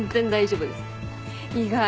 意外。